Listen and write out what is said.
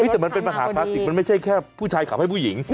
แต่จะมีแต่มันเป็นภาษาพลาติกมันไม่ใช่แค่ผู้ชายขับให้ผู้หญิง